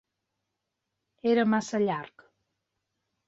Era massa llarg.